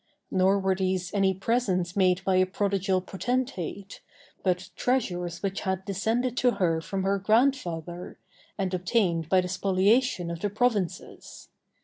Nor were these any presents made by a prodigal potentate, but treasures which had descended to her from her grandfather, and obtained by the spoliation of the provinces.